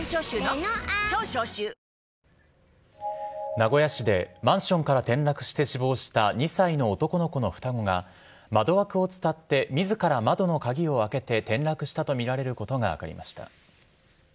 名古屋市でマンションから転落して死亡した２歳の男の子の双子が、窓枠を伝ってみずから窓の鍵を開けて転落したと見られることが分かりました。